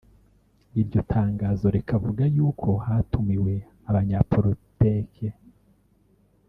Iryo tangazo rikavuga yuko hatumiwe abanyapoliteke